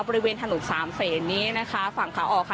บริเวณถนนสามเศษนี้นะคะฝั่งขาออกค่ะ